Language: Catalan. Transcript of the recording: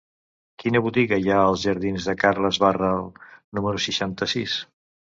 Quina botiga hi ha als jardins de Carles Barral número seixanta-sis?